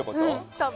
多分。